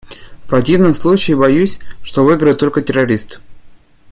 В противном случае боюсь, что выиграют только террористы.